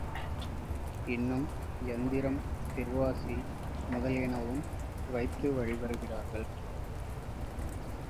இன்னும் யந்திரம், திருவாசி முதலியனவும் வைத்து வழிபடுகிறார்கள்.